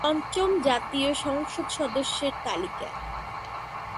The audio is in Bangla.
পঞ্চম জাতীয় সংসদ সদস্যদের তালিকা